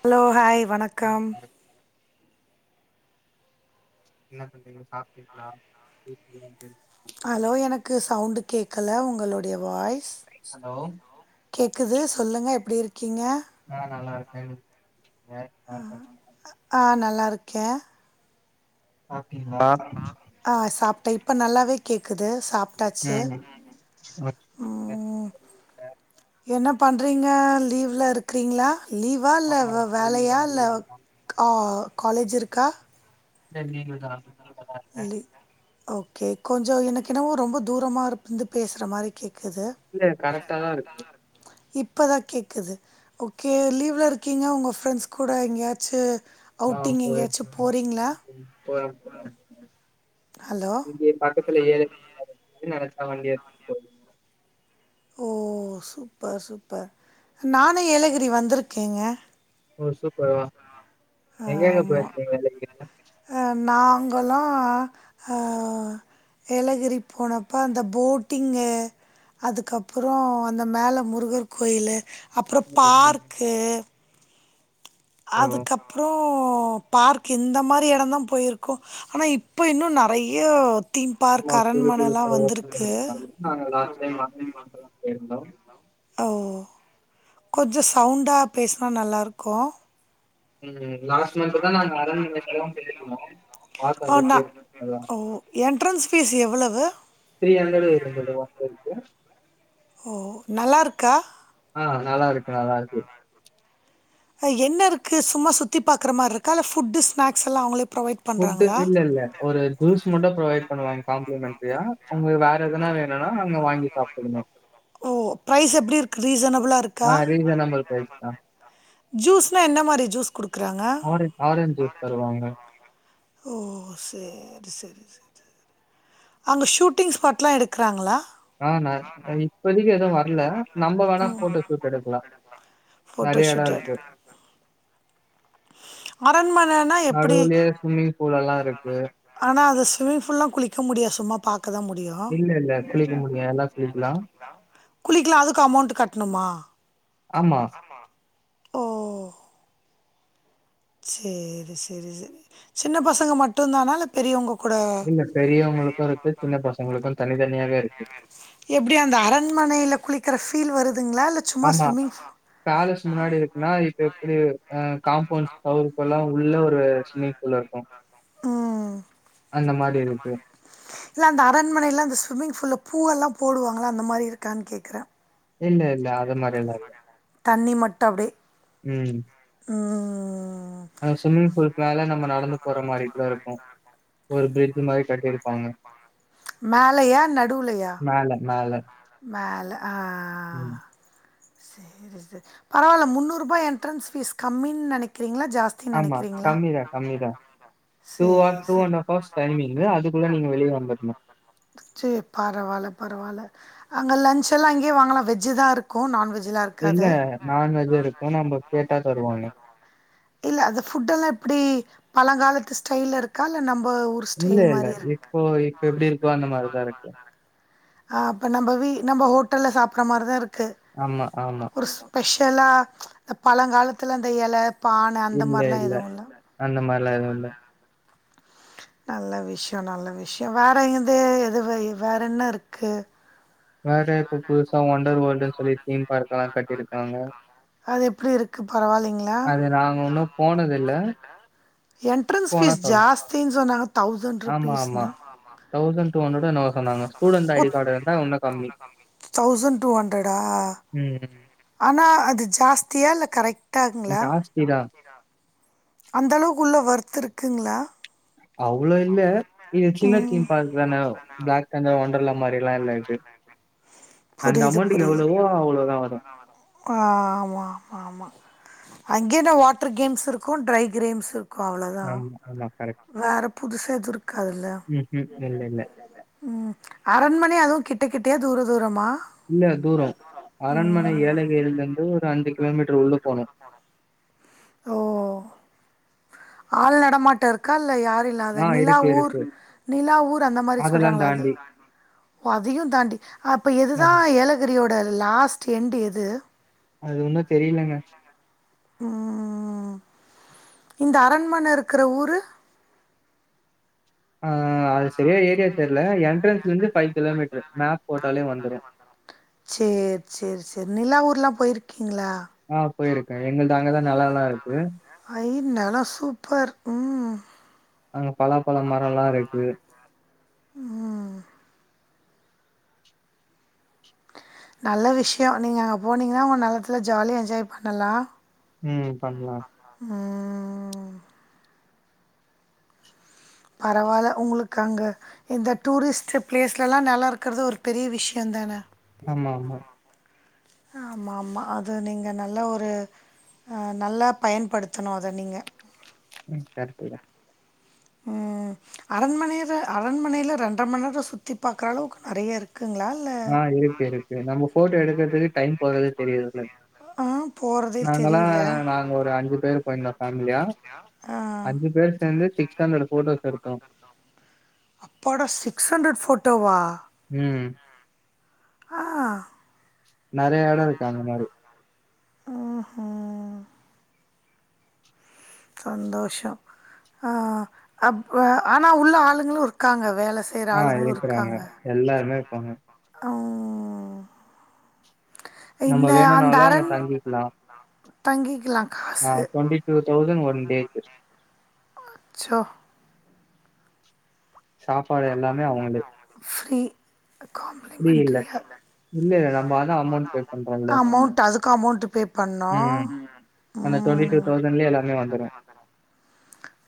Hello hi வணக்கம் என்ன பண்றீங்க சாப்பிட்டீங்களா [unintelligible] ஹலோ எனக்கு சவுண்டு கேக்கல உங்களுடைய வாய் ஹலோ கேக்குது சொல்லுங்க எப்படி இருக் ஆ நல்லா இருக் கேன் ஆ ஆ நல் லா இருக்கேன் ஓ ஆ சாப்ட்டேன் இப்ப நல்லாவே கேக் கேக்குது சாப்டாச்சி ம் ஓகே. ம் என்ன பண்ணுறீங்க லீவ்வுல இருக்கிறீங்களா லீவா இல்லை ஆமா லீவுதா வேலையா இல்லை லீவுதா கா காலேஜ் இருக்கா செரி [unintelligible] ன்றி ஓகே கொஞ்சம் எனக்கு என்னவோ ரொம்ப தூரமா இருந்து பேசுற மாதிரி கேக் இல்ல கரெக்ட்டா தான் இருக்கு இப்போ தான் கேக்குது ஓகே லீவ்வுல இருக்கீங்க உங்கள் ஃப்ரெண்ட்ஸ் கூட எங்கேயாச்சு ஆ அவுட்டிங் போறேன் எங்கேயாச்சு போறீங்களா? [unintelligible] ஹலோ இங்கே பக்கத்துல ஏற நர ஆ வண்டி எடுத்து போ ஓ சூப்பர் சூப்பர் நானே ஏலகிரி வந்திருக்கேங்க ஓ சூப்பர் ஆ ஆமா அ நா ங்கெல்லா அ ஏலகிரி போனப்ப அந்த போட்டிங்கு அதுக்கப்புறோ அந்த மேல முருகர் கோயிலு அப்புறோ ம் ம் பார்க்கு ஓ அதுக்கப்புறோ ஓ பார்க் இந்த மாரி எடம்தா போயிருக்கு ஆனால் இப்ப இன்னு நெறைய தீம் ஆமா பார்க் புது அரண்மனலா புதுசா ஓபன் வந்திருக்கு. பண்ணிருக்காங்க நாங்க லாஸ்ட் டைம் அம்முறைல்லா போயிருந்தோ ஒள கொஞ்சோ சவுண்டா பேசனா நல்லா இருக்கு ம் லாஸ்ட் மந்த் தான் நாங்க அரண்மனைக்கெல்லாம் போயிருந்தோம். பார்த்தோம் ஆ நா எப்படி இருக்குன்றதெல்லாம். ஓ என்டரன்ஸ் பீஸ் எவ்வளவு [unintelligible] ஒ பேருக்கு ஓ நல்லா இருக்கா ஆ நல்லா இருக்கு நல்லா இருக்கு அ என்ன இருக்கு சும்மா சுத்தி பாக்குற மாரி இருக்க ஃபுட் ஸ்னாக்ஸ்ல்லா அவுங்களே ஃபுட்டு இல்ல இல்ல ஒரு ஜூஸ் மட்டு ப்ரொவைட் பண்ணுவாங்க காம்ப்ளிமென்ட்ரியா உங்க வேற எதனா வேணும்னா அங்க வாங்கி சாப்ட்க்குணு கிரீசன ஆ ரீசனபல் பிரைஸ்தா ஜூஸ்ன்னா என்ன மாறி ஜூஸ் குடுக்குறாங்க ஆரஞ் ஆரஞ்ச் ஜூஸ் தருவாங்க. ஓ சேரி சேரி ச ச அங்க ஷூட்டிங் ஸ்பாட்லா எடுக்கிறாங்களா ஆ நா இப்போதைக்கு எதுவு வரல நம்ம வேணா போட்டோ சூட் எடுக்கலா ஃபோட்டோ நெறைய எடோ ஷூட் எடு இருக்கு அரண்மனனா எப்பிடி நடுவுலயே ஸ்விம்மிங் பூல் எல்லாம் இருக்கு. ஆனா அது திவி ஃபுல்லா குழிக்க முடியா சும்மா பாக் இல்ல இல்ல குளிக்க முடியு எல்லா குளிக்கலா குளிக்கலா அதுக்கு அமௌண்ட் கட்டணுமா ஆமா ஓ சேரி சேரி சேரி சின்ன பசங்க மட்டுதானா இல்ல பெரியவங்க கூட இல்ல பெரியவங்களுக்கும் இருக்கு. சின்ன பசங்களுக்கும் தனித்தனியாவே இருக்கு. எப்டி அந்த அரண்மனைல குளி க்கிற ஃபீல் வருது ஆமா பேலஸ் முன்னாடி இருக்குன்னா இப்ப எப்டி ஆ காம்பவுண்ட் சவுரு ஃபுல்லா உள்ள ஒரு ஸ்விம்மிங் பூல் இருக்கு ம் இருக்கு. இல்ல அந்த அரண்மனைல அந்த ஸ்விம்மிங் பூல்ல பூ எல்லா போடுவாங்கல அந்த மாரி இருக்கான் கேக்குறே இல்ல இல்ல அது மாரியல்லா இல்ல தண்ணி மட்டு அப்டே ம் ம் அந்த ஸ்விமிங் பூல்கு மேல நம்ம நடந்து போற மாரி கூட இருக்கு ஒரு பிரிட்ஜு மாரி கட்டிருப்பாங்க மேலயா நடுவுலயா மேல மேல மேல ஆ ம் பரவால்ல முன்னூறுபா என்ட்ரன்ஸ் ஃபீஸ் கம்மின் நெனைக்கிறீங்ளா ஜாஸ்தின் ஆமா. நெனக்கிறீங்ளா கம்மி தான் கம்மி தான். ஹார்ஸ் சேர் சேர் ஹவர்ஸ் டைமிங்கு. அதுக்குள்ள நீங்க வெளிய வந்துரணும். சேர் பரவால்ல பரவால்ல அங்க லன்ச் எல்லா அங்கயே வாங்கலா வெஜ்ஜு தா இரு க்கு நான்வெஜ் இல்ல நான்வெஜ்ஜு இருக்கு நம்ப கேட்டா தருவாங்க இல்ல அது ஃபுட்டெல்லா எப்டி பழங்காலத்து ஸ்டைல்ல இருக்கா இல்ல நம் இல்ல இல்ல இப்போ இப்ப எப்டிருக் கோ அந்த மாரி தாருக்கு ஆ அப்ப நம்ப வீ நம்ப ஹோட்டல்ல சாப்புர மாரிதா இரு க்கு ஆமா, ஆமா. ஒர் ஸ்பெஷ் ஷலா பழங்காலத்துல அந்த எல பான அந்த இல்ல மாரிலா இல்ல எதுவு அந்த மார்லா எதுவு இல்ல நல்ல விஷ்யொ நல்ல விஷ்யொ வேற எது எதுவ வேற என்ன இருக்கு? மேட இப்ப புதுசா ஒண்டர் வேல்டு சொல்லி தீம் பார்க் எல்லா கட்டிருக்காங்க அது எப்டி இருக்கு பரவால்லைங்களா அது நாங்க உன்னு போனது இல்ல என்ட்ரென்ஸ் ஃபீஸ் ஜாஸ்தின் சொன்னாங்க தௌசண்ட் ஆமா, ரூபீஸ் ஆமா. னா என்னவோ சொன்னாங்க. ஸ்டூடண்ட் ஐடி கார்டு இருந்தா இன்னும் கம்மி. தௌசண்ட் டூ ஹண்ட்ரட்டா ம். ஆனா அது ஜாஸ்தியா இல்ல கரெக்ட்டாங்களா ஜாஸ்தி தான். அந்த அளவுக்கு உள்ள வொர்த் இருக்குங்களா அவ்ளோ இல்ல. இது சின்ன ம் தீம் பார்க் தானே. பிளாக் தண்டர் வொண்டர்லா மாரிலாம் இல்ல இது. அந்த புரியுது அமௌண்ட் புரியுது எவ்வளவோ அவ்வளோ தான் வரும். ஆ ஆமா ஆமா ஆமா அங்கே தான் வாட்டர் கேம்ஸ் இருக்கும் ட்ரை கேம்ஸ் அவ்ளோதான் ஆமா, ஆமா. கரெக்ட். வேற புதுசா எது இருக்காதுல்ல ம்ஹ்ம். இல்ல, இல்ல. ம் அரண்மணை அதும் கிட்ட கிட்டயா தூர தூரமா இல்ல தூரம் அரண்மனை ஏழகிரிலலிருந்து ஒரு அஞ்சி கிலோமீட்டர் உள்ள போனும் ஓ ஆள் நடமாட்டம் இருக்கா இல்ல யார் இல்ல அது ஆ இருக்கு, நிலாவூர் இருக்கு. நிலாவூர் அந்த மாதிரி அதெல்லாம் சொல்றாங்கள அது தாண்டி. ஓ அதையும் தாண்டி அப்ப எதுதான் ஆமா. ஏலகிரியோ ல்ல லாஸ்ட் எண்ட் எது அது ஒன்னோ தெரிலங்க ம் இந்த அரண்மனை இருக்கற ஊரு ஆ அது செரியா ஏரியா தெரியல என்ட்ரன்ஸ் ல இருந்து ஃபைவ் கிலோமீட்டர் மேப் போட்டாலே வந்துரும். சேர் சேர் சேர் நிலாவூர்லாம் போயிருக் கீங்களா ஆ போயிருக்கேன் எங்கள்து அங்க தான் நெலம்லா இருக் ஐ நெலம் சூப்பர் ம் அங்க பலாப்பழ மரம்லாம் இருக்கு. ம் நல்ல விஷயம் நீங்க அங்க போனீங்கன்னா உங்க நெலத்துல ஜாலியா என்ஜாய் பண்ணலாம் ம் பண்ணலாம் ம் பரவாயில்ல உங்களுக்கு அங்க இந்த டூரிஸ்ட் பிளேஸ்லலாம் நெலம் இருக்கறது ஒரு பெரிய விஷயம் தானே ஆமா ஆமா ஆமா ஆமா அது நீங்க நல்ல ஒரு நல்லா பயன்படுத்தணும் அதை நீங்க ம் [unintelligible] ம் அரண்மனையில அரண்மனையில ரெண்டரை மணி நேரம் சுத்தி பாக்குற அளவுக்கு நறைய இருக் ஆ இருக்கு இருக்கு நம்ம போட்டோ எடுக்கு றது டைம் போறதே தெரியாதுல்ல ஆ போகிறதே நாங்கல்லாம் தெரியல நாங்க ஒரு அஞ்சு பேரு போயிருந்தோம் ஃபேமிலியா ஆ அஞ்சு பேர் சேர்ந்து சிக்ஸ் ஹண்ட்ரட் போட்டோஸ் எடுத்தோம் டோவா ம் ஆ நறைய எடொ இருக்கு அந்த மாரி ஓஹோ சந்தோஷொ ஆ அப்ப ஆனா உள்ள ஆளுங்களு இருக்காங்க வேல ஆ இருக்குறாங்க எல்லாருமேஇரு ப்பாங்க அவ் நம்ம வேணுன்னாலு அங்க தங்கிக்லா தங்கி ஆ ட்வென்ட்டி டூ தௌசண்ட் ஒ ன் டேக்கு அச்சோ சாப்பாடு எல்லாமே அவுங்களே காம்ப்ளிமென்ட்ரியா இல்ல, இல்ல. நம்ம அதான் அமௌண்ட் பே பண்றோம்ல. அமெளண்ட் அதுக்கு அமெளண்ட்டு பே பண்ணு ம். அந்த ம் எல்லாமே வந்துரும்.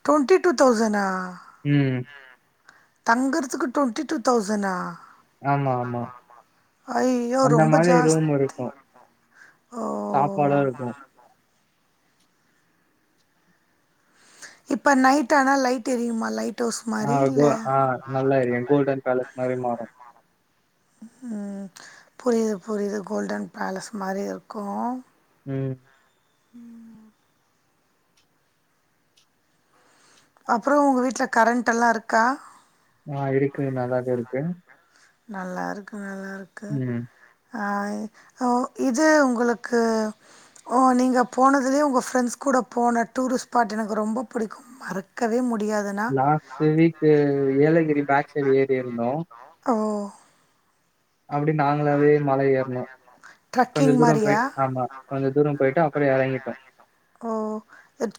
டொண்ட்டி டூ தெளசனா ம். தங்குறதுக்கு ட்வெண்ட்டி டூ தௌசனா? ஆமா ஆமா ஐயோ அந்த ரொம்ப மாரி ஜாஸ் ரூம் இருக்கு ஓ சாப்பாடு இருக்கு இப்ப நைட் ஆனா லைட் எரியுமா லைட் ஹவுஸ் ஆ மாரி இல்ல கோ ஆ நல்லா எரியு கோல்டன் பேலஸ் மாரி மாறு ம் புரிது புரிது கோல்டன் பேலஸ் மாரி இருக்கு ம் ம் அப்றோ உங்க வீட்ல கரண்ட்டல்லா இருக்கா? ஆ இருக்கு நல்லாவே இருக்கு நல்லாருக்கு நல்லா ருக்கு ம். ஆ ஓ இது உங்களுக்கு ஓ நீங்க போனதுலயே உங்க ஃப்ரெண்ட்ஸ் கூட போன டூரிஸ்ட் ஸ்பாட் எனக்கு ரொம்ப புடிக்கு மறக்கவே மு last week Yelagiri packs side ஏறியிருந்தோ ஓ அப்டி நாங்களாவே மல ஏறுனோ கொஞ்ச ட்ரக்கிங் தூரம் மாரியா போயிட் ஆமா கொஞ்ச தூரம் போயிட்டு அப்புற எறங்கிட்டோ ஓ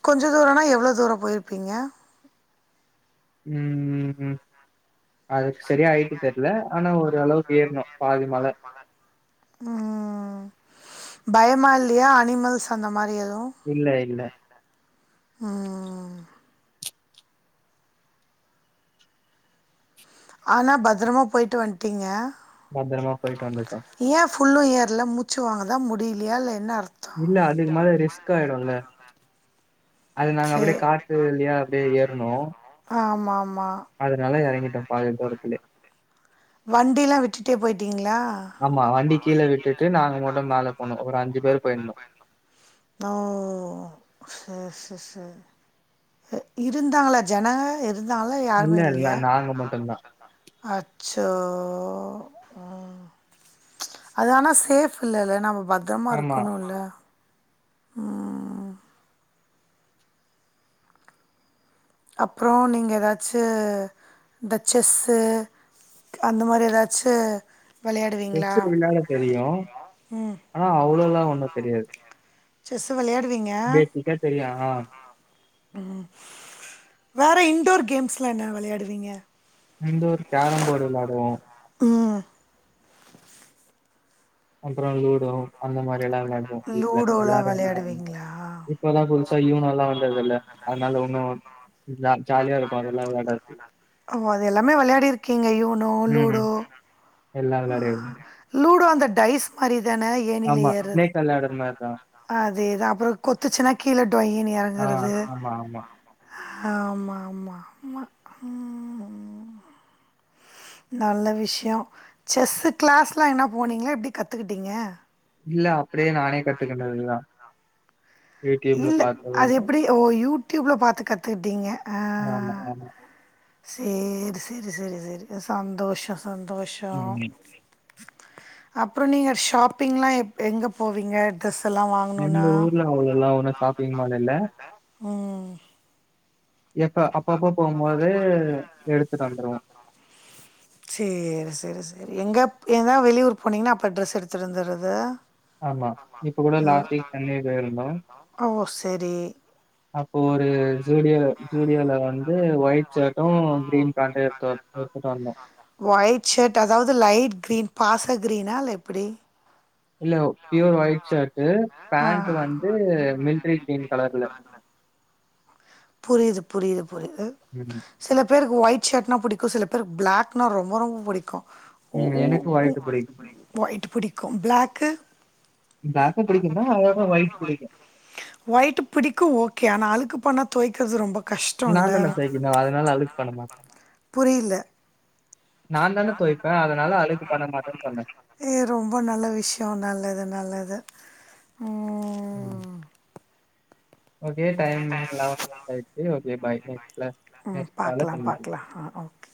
கொஞ்ச தூரம்னா எவ்வளோ தூரம் போயிருப்பீங்க? ம் ம் ம் அது சரியா ஹைட்டு மல. ம் பயமா இல்லயா அனிமல்ஸ் அந்த மாரி எது அப்றோம் இல்ல, இல்ல. உம் ஆனா பத்தரமா போயிட்டு வந்துட்டீங்க பத்தரமா போய்ட்டு வந்துட்டோம் புஃல்லும் ஏரல மூச்சு வாங்கதான் முடியலையா இல்ல என்ன அர்த்தம் இல்ல அதுக்கு மேல ரிஸ்க் ஆயிடும்ல்ல அது நாங்க சே அப்படியே காட்டுவழிய அப்படியே ஏறனும் ஆமா ஆமா அதனால இறங்கிட்டேன் பாதி தூரத்துலே வண்டி எல்லாம் விட்டுட்டே போயிட்டீங்களா ஆமா வண்டி கீழ விட்டுட்டு நாங்க மட்டும் மேல போனோம். ஒரு பேர் போயிருந்தோம். ஓ ஓ சரி செர் செர் இருந்தாங்களா ஜனங்க அது இல்ல இல்ல நாங்க மட்டும்தான் அச்சோ அது ஆனா சேஃப் இல்லல்ல நம பத்திரமா ஆமா. இருக்கணும்ல ஹம் அப்புறம் நீங்க ஏதாச்சு இந்த செஸ்ஸு அந்த மாதிரி ஏதாச்சு விளையாடுவீங்களா? செஸ்விளையாட தெரியும் ம். ஆனா அவ்வளவுல்லாம் ஒண்ணும் தெரியாது செஸ் வெளையாட்டு பேசிக்கா தெரியாதா ஆஹ் உம் வேற இன்டோர் கேம்ஸ்லாம் என்ன வெளையாடுவீங்க இண்டோர் கேரம் போர்டு வெளையாடுவோம் உம் அப்புறம் லூடோ அந்த மாதிரி வெளா வெளாடுவோம் வீட்டுல லூடோலா எல்லாரும் வெளா வெளையாடுவீங்களா? இப்பதாம் புதுசா யுனோல்லாம் வந்தது இல்ல அதனால ஒன்னும் ஜாலியா இருக்கும் அதெல்லாம் விளையாடறது ஓ! அது எல்லாமே வெளையாடி இருக்கீங்க. யூனோ, உம் உம் லூடோ. எல்லாரோடயும் லூடோ அந்த டைஸ் மாரி தானே ஏணில ஏறுறது ஸ்னேக் விளையாடுற மாரி தான். அதேதா அப்புறோம் கொத்துச்சுன்னா கீழே டொய்னு ஆ இறங்கறது ஆமா, ஆமா. ஆமா ஆமா ஆமா நல்ல விஷயோம் செஸ் கிளாஸ்லா என்ன போனீங்களா எப்பிடி கத்துகிட்டீங்க இல்ல அப்படியே நானே கத்துக்கிட்டதுதான் இல்ல அது எப்டி ஓ யூ ட்யூப்ல பாத்து கத்துக்குட்டீங்க ஆமா ஆமா சேரி செரி செரி செரி சந்தோஷொ சந்தோஷொ ம். அப்றோ நீங்க ஷாப்பிங்லா எப் எங்க போவீங்க ட்ரெஸ் எங்க ஊர்ல அவ்ளல்லா ஒ எல்லா வந்துட்டு சாப்படு ம் எப்ப அப்பப்போ போம்போது எடுத்துட்டு வந்துருவோம். சேரி செரி செ எங்க எதா வெளியூர் போனீங்கனா அப்ப ட்ரெஸ் எடுத்துட் வந்துறது ஆமா இப்ப கூட லாஸ்ட் வீக் சென்னை போயிருந்தோ சேரி அப்போ ஒரு ஜூடியோ ஜூடியோல வந் து ஒயிட் ஷர்ட்டும், கிரீன் பேண்ட்டும் எடுத்து வ- எடுத்துட்டு வந்தோம். ஒயிட் ஷர்ட் அதாவுது லைட் கிரீன் பாசக்ரீனா இல்ல எப்புடி இல்ல பியூர் ஒயிட் ஷர்ட்டு ஆ பேன்ட்டு வந்து மில்ட்ரி கிரீன் கலர்ல புரியிது புரியிது புரிது ம். சில பேருக்கு ஒயிட் ஷர்ட்னா புடிக்கு சில பேருக்கு பிளாக்னா ரொம்ப ரொம்ப புடிக்கு உ ம். உ எனக்கு உ‌ ஒயிட் பிடிக்கும். ஒயிட்டு பிடிக்கு பிளாக்கு பிளாக்கும் பிடிக்கும் தான், அதோட ஒயிட் பிடிக்கும். ஒயிட்டு பிடிக்கு ஓகே ஆனா அழுக்கு பண்ணா தொவைக்கிறது ரொம்ப கஷ்டம்ல. நாந்தானெ தொவைக்கனு அதுனால அழுக்கு பண்ண மாட்டே புரியல. அழுக்கு பண்ண மாட்டேன்னு சொன்னேன். ஏ ரொம்ப நல்ல விஷ்யோ நல்லது நல்லது ம். ம். ஓகே டைம் லெவன் மினிட்ஸ் ஆயிர்ச்சு ஓகே பாய் நெக்ஸ் ம் பாக்லா பாக்லா ஆ ஓகே